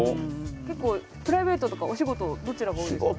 結構プライベートとお仕事どちらが多いんですかね？